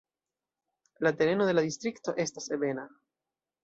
La tereno de la distrikto estas ebena.